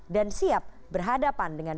dan siap berhadapan dengan